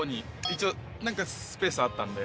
一応なんかスペースあったんで。